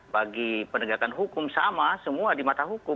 bagi penegakan hukum sama semua di mata hukum